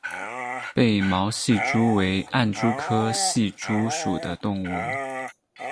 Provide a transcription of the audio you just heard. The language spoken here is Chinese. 被毛隙蛛为暗蛛科隙蛛属的动物。